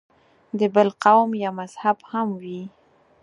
د بل قوم یا مذهب هم وي.